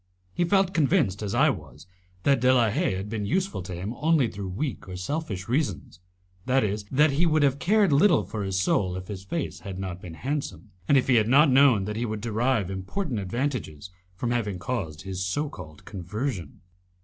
He felt convinced, as I was, that De la Haye had been useful to him only through weak or selfish reasons, that is, that he would have cared little for his soul if his face had not been handsome, and if he had not known that he would derive important advantages from having caused his so called conversion.